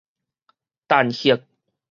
陳赫